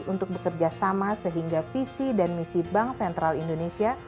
untuk bekerja sama sehingga visi dan misi bank sentral indonesia